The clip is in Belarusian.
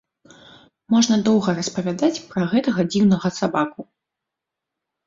Можна доўга распавядаць пра гэтага дзіўнага сабаку.